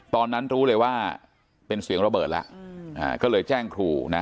ตอนนั้นรู้เลยว่าเป็นเสียงระเบิดแล้วก็เลยแจ้งครูนะ